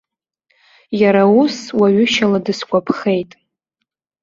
Иара ус, уаҩышьала дысгәаԥхеит.